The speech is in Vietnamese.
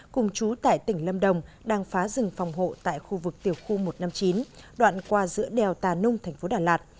cùng chú tại tỉnh lâm đồng đang phá rừng phòng hộ tại khu vực tiểu khu một trăm năm mươi chín đoạn qua giữa đèo tà nung tp đà lạt